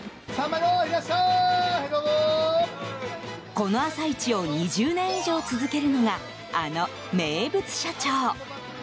この朝市を２０年以上続けるのがあの名物社長。